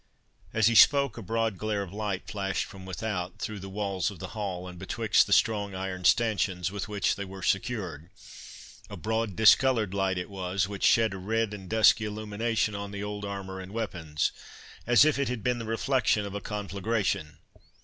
'" As he spoke, a broad glare of light flashed from without, through the windows of the hall, and betwixt the strong iron stanchions with which they were secured—a broad discoloured light it was, which shed a red and dusky illumination on the old armour and weapons, as if it had been the reflection of a conflagration.